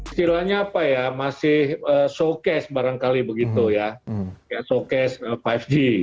istilahnya apa ya masih showcase barangkali begitu ya kayak showcase lima g